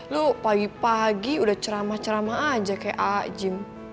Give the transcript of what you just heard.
lu pagi pagi udah ceramah ceramah aja kayak a jim